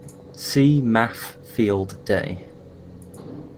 See Math Field Day.